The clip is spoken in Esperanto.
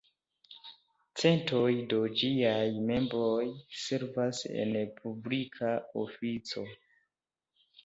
Centoj de ĝiaj membroj servas en publika ofico.